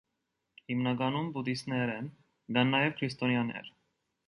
Հիմնականում բուդդիստներ են, կան նաև քրիստոնյաներ։